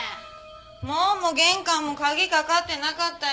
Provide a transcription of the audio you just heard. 門も玄関も鍵かかってなかったよ。